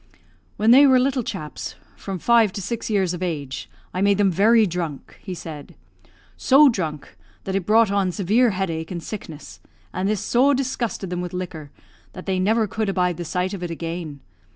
"When they were little chaps, from five to six years of age, I made them very drunk," he said; "so drunk that it brought on severe headache and sickness, and this so disgusted them with liquor, that they never could abide the sight of it again.